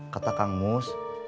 kata kang mus